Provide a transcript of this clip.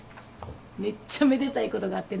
めっちゃめでたいことがあってな。